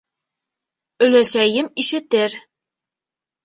Өләсәйем ишетер...